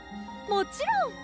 もちろん！